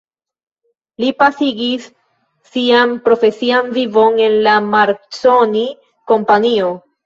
Li pasigis sian profesian vivon en la Marconi Kompanio.